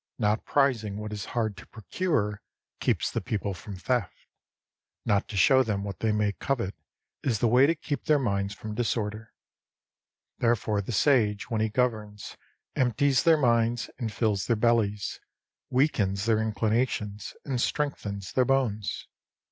Not prizing what is hard to pro cure keeps the people from theft. Not to show them what they may covet is the way to keep their minds from disorder. Therefore the Sage, when he governs, empties their minds and fills their bellies, weakens their inclinations and strengthens their bones.